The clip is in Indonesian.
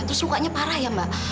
terus lukanya parah ya mbak